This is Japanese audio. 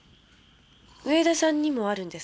上田さんにもあるんですか？